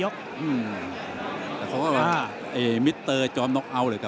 เจอจอมน็อคเอาท์เลยครับ